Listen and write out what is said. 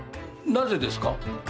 なぜですか？